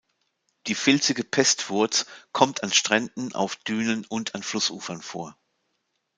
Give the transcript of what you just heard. Die Filzige Pestwurz kommt an Stränden, auf Dünen und an Flussufern vor.